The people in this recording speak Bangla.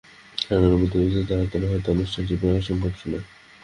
নানা কারণে প্রস্তাবিত আয়তনে হয়তো অনুষ্ঠানটি প্রায় অসম্ভব শুনায়।